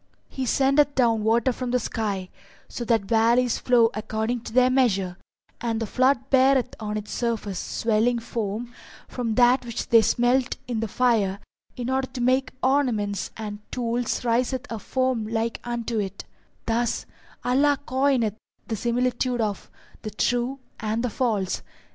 P: He sendeth down water from the sky, so that valleys flow according to their measure, and the flood beareth (on its surface) swelling foam from that which they smelt in the fire in order to make ornaments and tools riseth a foam like unto it thus Allah coineth (the similitude of) the true and the false.